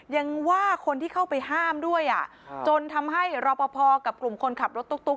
ยังว่าคนที่เข้าไปห้ามด้วยอ่ะจนทำให้รอปภกับกลุ่มคนขับรถตุ๊ก